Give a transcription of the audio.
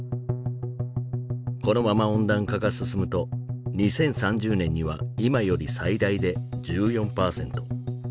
このまま温暖化が進むと２０３０年には今より最大で１４％